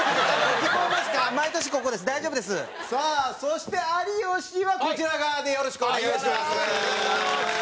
蛍原：さあ、そして、有吉はこちら側でよろしくお願いします。